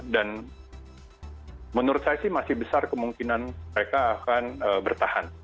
dan menurut saya sih masih besar kemungkinan mereka akan bertahan